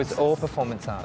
ini adalah persembahan arti